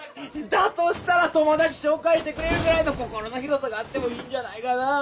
だとしたら友達紹介してくれるぐらいの心の広さがあってもいいんじゃないかな。